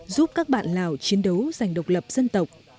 giúp các bạn lào chiến đấu giành độc lập dân tộc